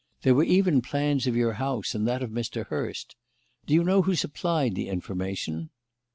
There were even plans of your house and that of Mr. Hurst. Do you know who supplied the information?"